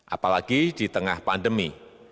apalagi di tengah pandemi